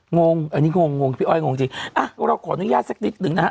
งงอันนี้งงงพี่อ้อยงงจริงอ่ะเราขออนุญาตสักนิดหนึ่งนะฮะ